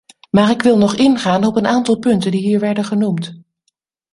Maar ik wil nog ingaan op een aantal punten die hier werden genoemd.